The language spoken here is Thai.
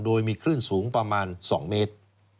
โดยมีคลื่นสูงประมาณ๒เมตร